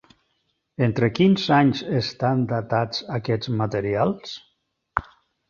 Entre quins anys estan datats aquests materials?